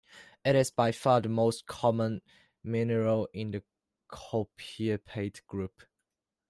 It is by far the most common mineral in the copiapite group.